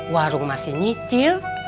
warung masih nyicil